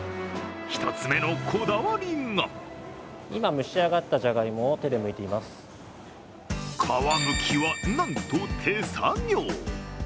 １つ目のこだわりが皮むきは、なんと手作業。